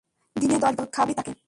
দিনে দশবার করে দুধ খাওয়াবি তাকে।